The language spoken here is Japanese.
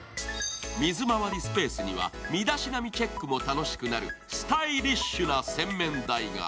水回りスペースには身だしなみチェックも楽しくなるスタイリッシュな洗面台が。